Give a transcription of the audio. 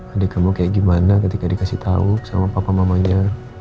adik kamu kayak gimana ketika dikasih tahu sama papa mamanya